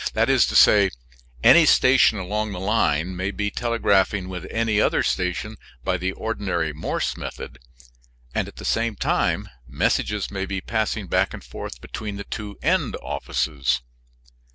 That is to say, any station along the line may be telegraphing with any other station by the ordinary Morse method, and at the same time messages may be passing back and forth between the two end offices.